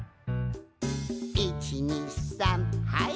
「１２３はい」